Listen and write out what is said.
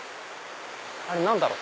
あれ何だろう？